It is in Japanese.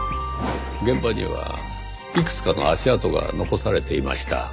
現場にはいくつかの足跡が残されていました。